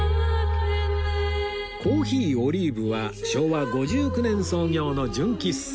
珈琲オリーブは昭和５９年創業の純喫茶